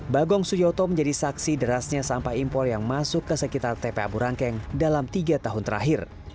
bagong suyoto menjadi saksi derasnya sampah impor yang masuk ke sekitar tpa burangkeng dalam tiga tahun terakhir